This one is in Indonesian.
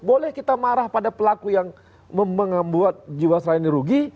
boleh kita marah pada pelaku yang membuat jiwa selain dirugi